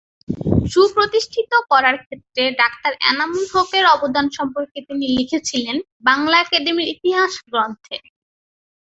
সুপ্রতিষ্ঠিত করার ক্ষেত্রে ডাক্তার এনামুল হকের অবদান সম্পর্কে তিনি লিখেছিলেন ‘বাংলা একাডেমীর ইতিহাস’ গ্রন্থে।